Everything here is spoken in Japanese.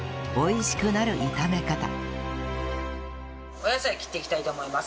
お野菜切っていきたいと思います。